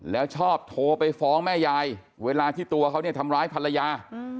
แล้วชอบโทรไปฟ้องแม่ยายเวลาที่ตัวเขาเนี่ยทำร้ายภรรยา